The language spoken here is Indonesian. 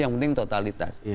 yang penting totalitas